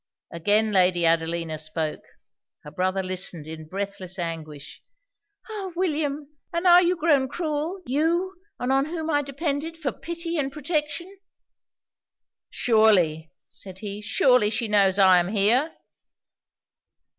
Again Lady Adelina spoke. Her brother listened in breathless anguish. 'Ah! William! and are you grown cruel? You, on whom I depended for pity and protection?' 'Surely,' said he, 'surely she knows I am here?'